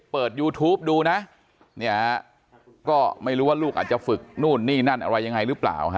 เปิดยูทูปดูนะเนี่ยก็ไม่รู้ว่าลูกอาจจะฝึกนู่นนี่นั่นอะไรยังไงหรือเปล่าฮะ